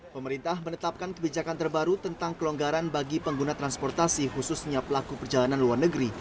pemerintah menetapkan kebijakan terbaru tentang kelonggaran bagi pengguna transportasi khususnya pelaku perjalanan luar negeri